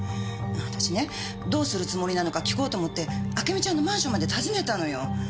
私ねどうするつもりなのか聞こうと思ってあけみちゃんのマンションまで訪ねたのよ。